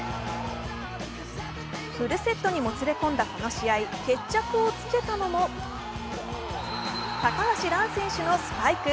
フルセットにもつれ込んだこの試合、決着をつけたのも、高橋藍選手のスパイク。